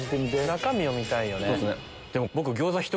中身を見たいよね。